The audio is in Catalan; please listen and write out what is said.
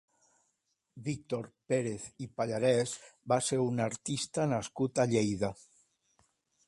Víctor Pérez i Pallarés va ser un artista nascut a Lleida.